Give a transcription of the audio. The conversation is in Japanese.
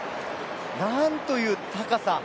なんという高さ！